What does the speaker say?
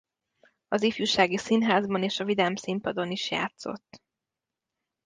Az Ifjúsági Színházban és a Vidám Színpadon is játszott.